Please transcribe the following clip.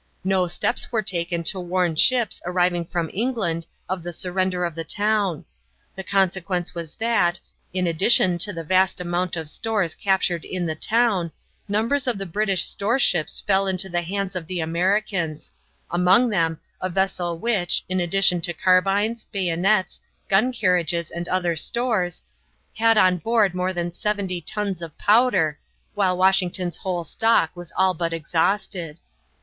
No steps were taken to warn ships arriving from England of the surrender of the town. The consequence was that, in addition to the vast amount of stores captured in the town, numbers of the British storeships fell into the hands of the Americans among them a vessel which, in addition to carbines, bayonets, gun carriages, and other stores, had on board more than seventy tons of powder, while Washington's whole stock was all but exhausted.